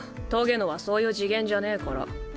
棘のはそういう次元じゃねぇから。